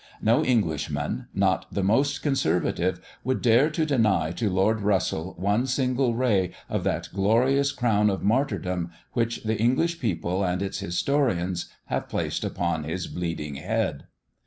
No Englishman, not the most conservative, would dare to deny to Lord Russell one single ray of that glorious crown of martyrdom which the English people and its historians have placed upon his bleeding head.